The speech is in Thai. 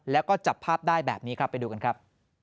แล้วก็จับภาพได้แบบนี้ครับไปดูกันครับ